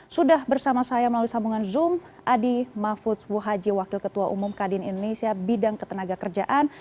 sudah bersama saya melalui sambungan zoom adi mahfud wuhaji wakil ketua umum kadin indonesia bidang ketenaga kerjaan